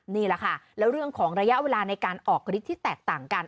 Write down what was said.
นี่แหละค่ะแล้วเรื่องของระยะเวลาในการออกฤทธิ์ที่แตกต่างกัน